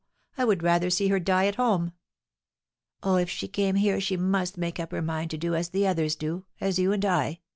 I would rather see her die at home!" "Oh, if she came here she must make up her mind to do as the others do, as you and I.